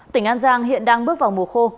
tỉnh an giang hiện đang bước vào mùa khô